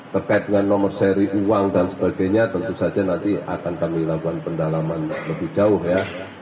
terkait dengan nomor seri uang dan sebagainya tentu saja nanti akan kami lakukan pendalaman lebih jauh ya